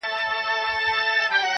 او چوپتيا خپره ده هر ځای,